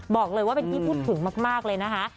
บอกเลยว่าเป็นที่พูดถึงมากเลยนะคะ